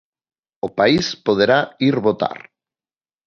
O país poderá ir votar.